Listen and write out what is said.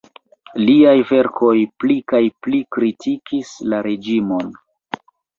Liaj verkoj pli kaj pli kritikis la reĝimon.